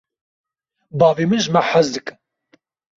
Bavê min ji me hez dike.